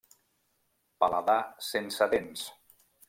Paladar sense dents.